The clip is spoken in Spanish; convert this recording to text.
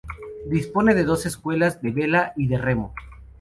Dispone de dos escuelas: de vela y de remo.